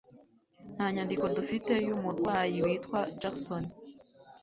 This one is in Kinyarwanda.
Nta nyandiko dufite yumurwayi witwa Jackson.